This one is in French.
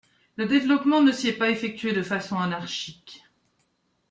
Le développement ne s'y est pas effectué de façon anarchique.